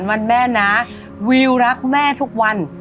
วันแม่นะวิวรักแม่ทุกวัน